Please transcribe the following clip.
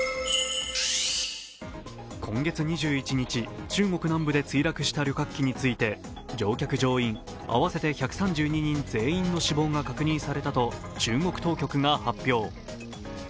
今月２１日、中国南部で墜落した旅客機について乗客乗員合わせて１３２人全員の死亡が確認されたと中国当局が発表。